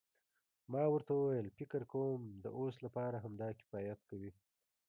ما ورته وویل فکر کوم د اوس لپاره همدا کفایت کوي.